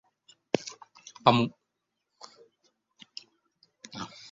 ประมวลผลต่อได้